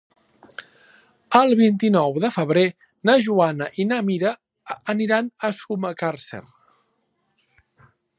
El vint-i-nou de febrer na Joana i na Mira aniran a Sumacàrcer.